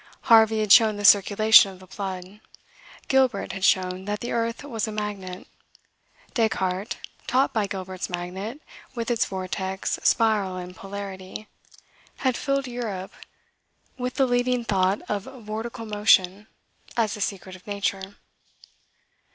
Harvey had shown the circulation of the blood; Gilbert had shown that the earth was a magnet; Descartes, taught by Gilbert's magnet, with its vortex, spiral, and polarity, had filled Europe with the leading thought of vortical motion, as the secret of nature.